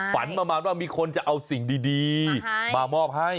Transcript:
ฝันประมาณว่ามีคนจะเอาสิ่งดีมามอบให้